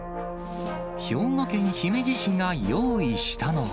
兵庫県姫路市が用意したのは。